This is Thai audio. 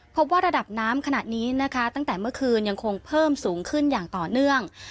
พบว่าระดับน้ำขณะนี้นะคะตั้งแต่เมื่อคืนยังคงเพิ่มสูงขึ้นอย่างต่อเนื่อง